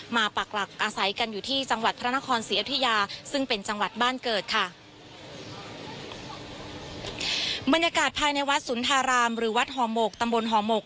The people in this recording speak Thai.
มันยากาศภายในวัดสุนทารามหรือวัดห่อหมกตำบลห่อหมก